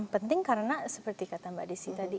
penting karena seperti kata mbak desi tadi